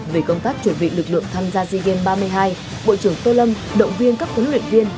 về công tác chuẩn bị lực lượng tham gia sea games ba mươi hai bộ trưởng tô lâm động viên các huấn luyện viên